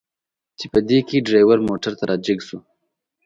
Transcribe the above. چې په دې کې ډریور موټر ته را جګ شو.